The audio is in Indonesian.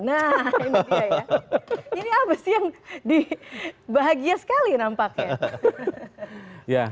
nah ini dia ya ini apa sih yang bahagia sekali nampaknya